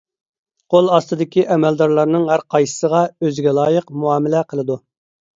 قول ئاستىدىكى ئەمەلدارلارنىڭ ھەر قايسىسىغا ئۆزىگە لايىق مۇئامىلە قىلىدۇ.